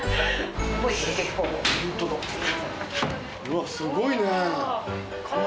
うわすごいね！